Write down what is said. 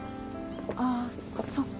ああそっか。